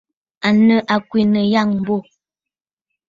À nɨ àkwènə̀ àyâŋmbô.